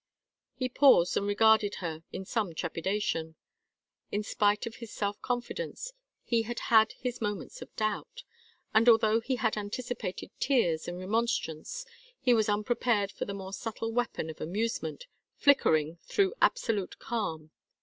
He paused and regarded her in some trepidation. In spite of his self confidence he had had his moments of doubt. And although he had anticipated tears and remonstrance, he was unprepared for the more subtle weapon of amusement, flickering through absolute calm.